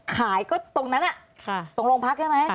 ขายก็ตรงนั้นตรงโรงพักใช่ไหม